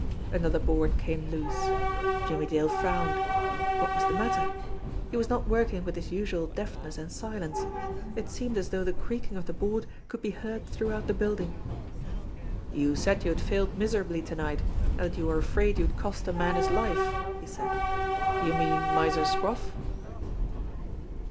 Another board came loose. Jimmie Dale frowned. What was the matter? He was not working with his usual deft ness and silence. It seemed as though the creaking of the board could be heard throughout the building. "You said you had failed miserably to night, and that you were afraid you had cost a man his life," he said. "You mean Miser Scroff?"